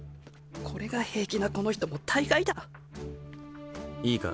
これが平気なこの人も大概だいいか